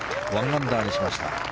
１アンダーにしました。